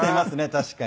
確かに。